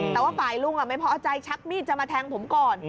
แต่ว่าฝ่ายลุงไม่พอใจชักมีดจะมาแทงผมก่อน